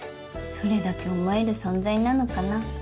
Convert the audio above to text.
それだけ思える存在なのかな？